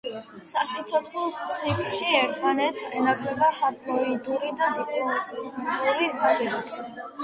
სასიცოცხლო ციკლში ერთმანეთს ენაცვლება ჰაპლოიდური და დიპლოიდური ფაზები.